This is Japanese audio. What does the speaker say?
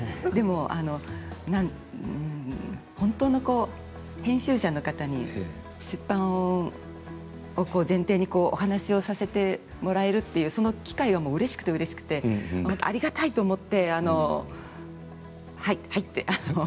でも、本当のこう編集者の方に出版を前提にお話をさせてもらえるっていうその機会はもううれしくて、うれしくてありがたいと思ってはいはいって。